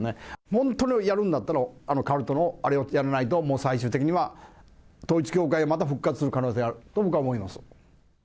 本当にやるんだったら、あのカルトのあれをやらないと、もう最終的には、統一教会、また復活する可能性があると僕は思います。